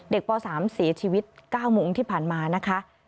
เด็กป๓สีชีวิต๙มุ้งที่ผ่านมานะคะ